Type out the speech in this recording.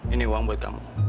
ini uang buat kamu